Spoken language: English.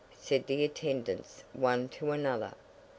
said the attendants one to another.